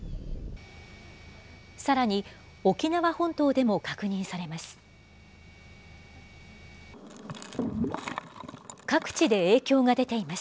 さらに、沖縄本島でも確認されます。